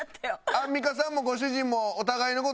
アンミカさんもご主人もお互いの事